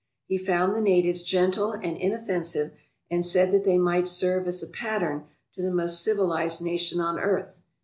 He found the natives gentle and inoffensive and said that they might serve as a pattern to the most civilized nation on earth.